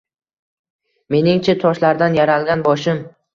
Mening-chi, toshlardan yaralgan boshim